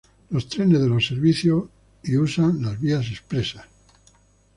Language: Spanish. Los trenes de los servicios y usan las vías expresas.